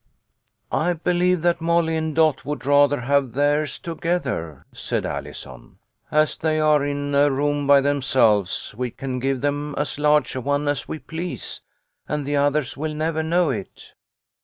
" I believe that Molly and Dot would rather have theirs together," said Allison. "As they are in a Hi A HAPPY CHRISTMAS. room by themselves we can give them as large a one as we please, and the others will never know it."